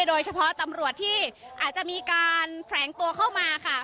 โดยเฉพาะตำรวจที่อาจจะมีการแฝงตัวเข้ามาค่ะ